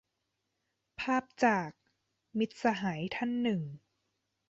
ภาพจาก มิตรสหายท่านหนึ่ง